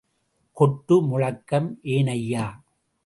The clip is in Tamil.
கொட்டு முழக்கம் ஏனையா?